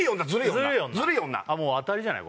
もう当たりじゃない？